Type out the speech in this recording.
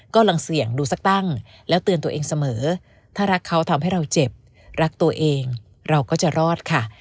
กำลังเสี่ยงดูสักตั้งแล้วเตือนตัวเองเสมอถ้ารักเขาทำให้เราเจ็บรักตัวเองเราก็จะรอดค่ะ